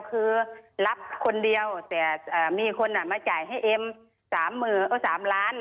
คือรับคนเดียวแต่มีคนมาจ่ายให้เอ็ม๓ล้าน